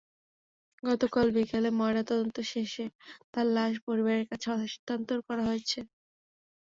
গতকাল বিকেলে ময়নাতদন্ত শেষে তাঁর লাশ পরিবারের কাছে হস্তান্তর করা হয়েছে।